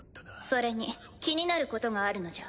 それに気になることがあるのじゃ。